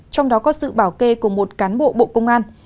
trong đó có sự bảo kê của một cán bộ bộ công an